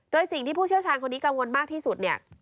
โดยสิ่งที่ผู้เชี่ยวชาญคนนี้กังวลมากที่สุดเนี่ย